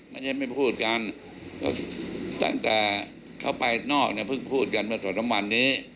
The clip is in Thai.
มันยังไม่พูดกันตั้งแต่เข้าไปนอกเนี่ยเพิ่งพูดกันว่าส่วนธรรมวันนี้